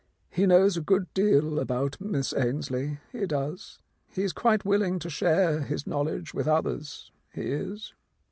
"He knows a good deal about Miss Ainslie, he does. He is quite willing to share his knowledge with others, he is."